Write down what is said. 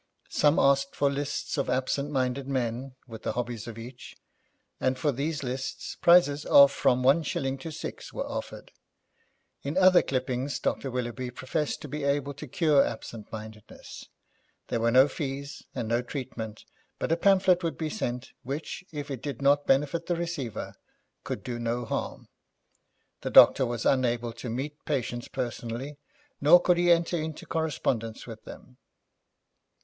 Some asked for lists of absent minded men, with the hobbies of each, and for these lists, prizes of from one shilling to six were offered. In other clippings Dr. Willoughby professed to be able to cure absent mindedness. There were no fees, and no treatment, but a pamphlet would be sent, which, if it did not benefit the receiver, could do no harm. The doctor was unable to meet patients personally, nor could he enter into correspondence with them.